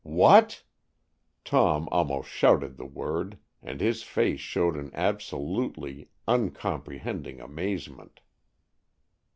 "What?" Tom almost shouted the word, and his face showed an absolutely uncomprehending amazement.